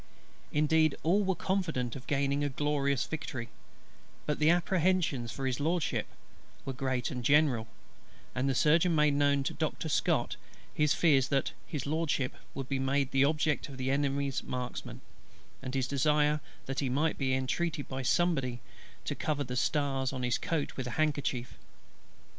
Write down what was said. Indeed all were confident of gaining a glorious victory, but the apprehensions for HIS LORDSHIP were great and general; and the Surgeon made known to Doctor SCOTT his fears that HIS LORDSHIP would be made the object of the Enemy's marksmen, and his desire that he might be entreated by somebody to cover the stars on his coat with a handkerchief.